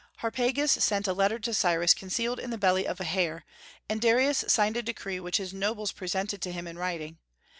Harpagus sent a letter to Cyrus concealed in the belly of a hare, and Darius signed a decree which his nobles presented to him in writing.